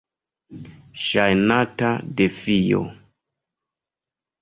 Ŝajnata defio.